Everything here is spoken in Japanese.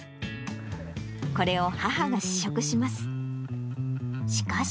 これを母が試食します。